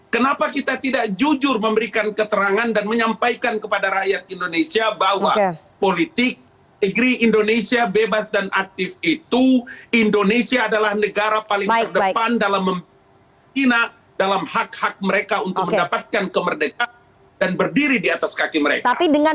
kenapa kita tidak jujur memberikan keterangan dan menyampaikan kepada rakyat indonesia bahwa politik negeri indonesia bebas dan aktif itu indonesia adalah negara paling terdepan dalam menghina dalam hak hak mereka untuk mendapatkan kemerdekaan dan berdiri di atas kaki mereka